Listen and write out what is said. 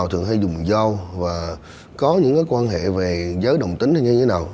đối tượng hay dùng dao và có những quan hệ về giới đồng tính hay như thế nào